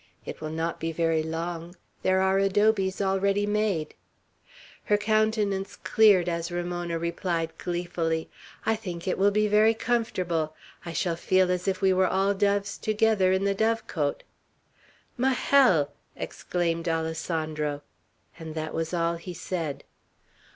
It will not be very long; there are adobes already made." His countenance cleared as Ramona replied gleefully, "I think it will be very comfortable, and I shall feel as if we were all doves together in the dove cote!" "Majel!" exclaimed Alessandro; and that was all he said.